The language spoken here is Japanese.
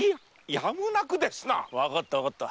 わかったわかった。